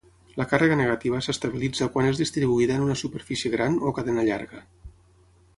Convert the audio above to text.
La càrrega negativa s'estabilitza quan és distribuïda en una superfície gran o cadena llarga.